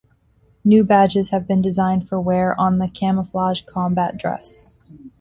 New badges have been designed for wear on the camouflage combat dress.